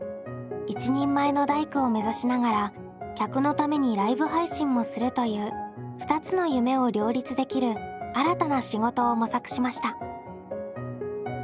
一人前の大工を目指しながら客のためにライブ配信もするという２つの夢を両立できる新たな仕事を模索しました。